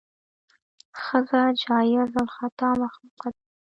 ښځه جایز الخطا مخلوقه ده.